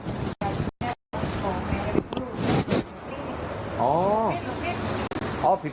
แม่ก็เป็นลูกสิทธิ์อ๋อเป็นลูกสิทธิ์